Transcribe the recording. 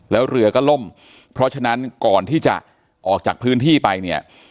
แล้วเรือก็ล่มเพราะฉะนั้นก่อนที่จะออกจากพื้นที่ไปเนี่ย